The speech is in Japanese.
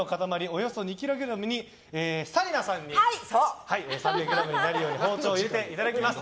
およそ２ｋｇに紗理奈さんに３００ｇになるように包丁を入れていただきます。